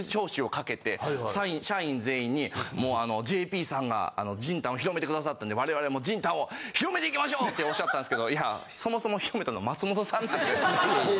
・確かに・ＪＰさんが仁丹を広めてくださったんで我々も仁丹を広めていきましょうっておっしゃったんですけどいやそもそも広めたのは松本さんなんで。